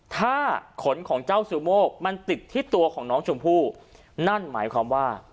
ถ้าขนของเจ้าซูโมกมันติดที่ตัวของน้องชมพู่นั่นหมายความว่า